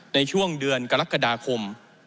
ในช่วงเดือนกรกฎาคม